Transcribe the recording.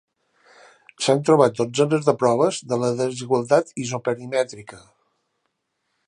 S'han trobat dotzenes de proves de la desigualtat isoperimètrica.